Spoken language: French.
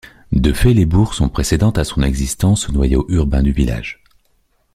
De fait les bourgs sont précédentes à son existence au noyau urbain du village.